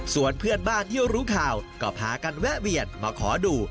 ส่วนเพื่อนบ้านที่รู้ข่าวก็พากันแวะเวียนมาขอดู